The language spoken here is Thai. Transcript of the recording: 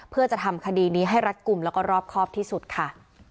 เพื่อจะทำคดีนี้ให้รัดกลุ่มแล้วก็รอบครอบที่สุดค่ะ